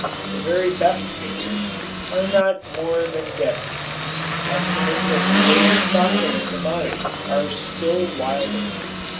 The very best figures are not more than guesses; estimates of the world's stock of a commodity are still wilder.